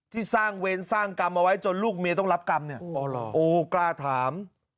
ที่สร้างเวรสร้างกรรมเอาไว้จนลูกเมียต้องรับกรรมเนี่ยโอ้กล้าถาม